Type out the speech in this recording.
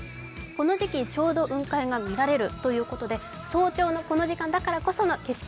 この時期、ちょうど雲海が見られるということで早朝のこの時間だからこその景色